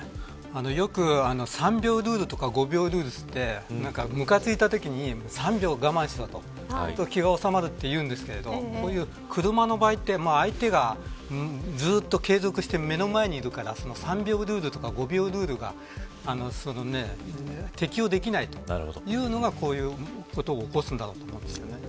よく３秒ルールとか５秒ルールといってむかついたときに３秒我慢しろとそうすると、気が収まるというんですけど車の場合って相手が継続して目の前にいるから３秒ルールとか５秒ルールが適用できないというのがこういうことを起こすんだろうと思うんです。